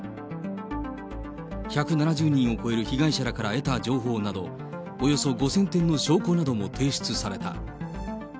１７０人を超える被害者らから得た情報など、およそ５０００点の証拠なども提出された。